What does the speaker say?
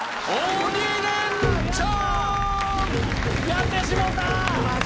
やってしもうた！